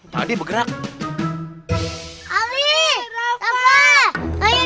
tadi bergerak ali